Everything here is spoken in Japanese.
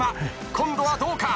今度はどうか？